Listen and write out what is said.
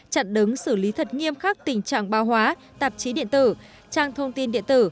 chặn đứng xử lý thật nghiêm khắc tình trạng bao hóa tạp chí điện tử trang thông tin điện tử